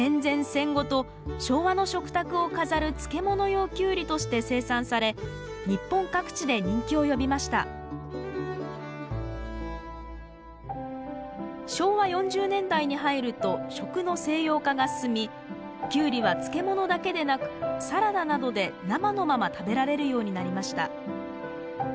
戦後と昭和の食卓を飾る漬物用キュウリとして生産され日本各地で人気を呼びました昭和４０年代に入ると食の西洋化が進みキュウリは漬物だけでなくサラダなどで生のまま食べられるようになりました